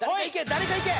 誰かいけ！